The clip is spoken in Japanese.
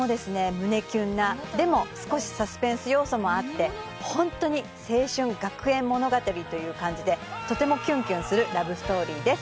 胸キュンなでも少しサスペンス要素もあってホントに青春学園物語という感じでとてもキュンキュンするラブストーリーです